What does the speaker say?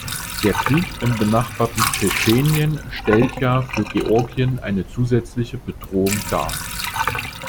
Der Krieg im benachbarten Tschetschenien stellt ja für Georgien eine zusätzliche Bedrohung dar.